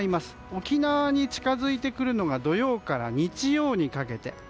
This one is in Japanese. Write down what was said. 沖縄に近づいてくるのが土曜日から日曜日にかけて。